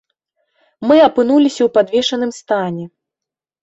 Мы апынуліся ў падвешаным стане.